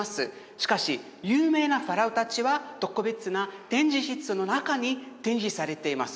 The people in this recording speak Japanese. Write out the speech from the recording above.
しかし有名なファラオ達は特別な展示室の中に展示されています